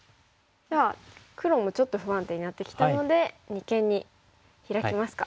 黒もちょっと不安定になってきたので二間にヒラきますか。